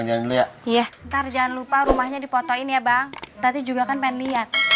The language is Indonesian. nanti dulu ya iya ntar jangan lupa rumahnya dipotong ya bang tadi juga kan pengen lihat